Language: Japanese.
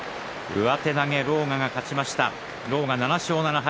上手投げ、狼雅が勝ちました７勝７敗。